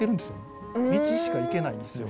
道しか行けないんですよ。